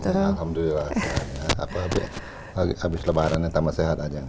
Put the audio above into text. alhamdulillah sehat habis lebarannya tambah sehat aja